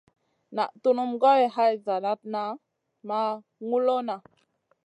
Naʼ tunum goy hay zlaratna ma ŋulona.